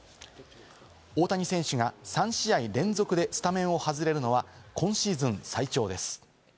大谷選手が３試合連続でスタメンを外れるのは今シーズン最長です。